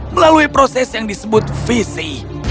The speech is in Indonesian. melalui proses yang disebut visi